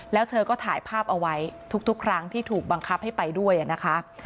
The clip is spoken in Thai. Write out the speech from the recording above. แล้วเธอก็ถ่ายภาพเอาไว้ทุกครั้งที่ถูกบังคับให้ไปด้วยนะคะ